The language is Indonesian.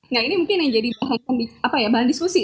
nah ini mungkin yang jadi bahan diskusi